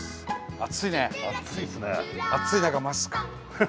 暑い中マスク。